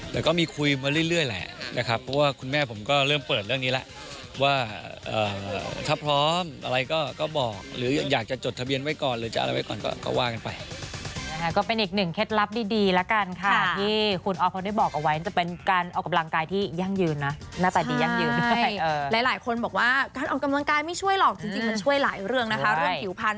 หลายคนบอกว่าการออกกำลังกายไม่ช่วยหรอก